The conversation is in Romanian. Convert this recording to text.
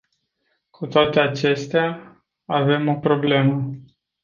Cu toate acestea, avem o problemă.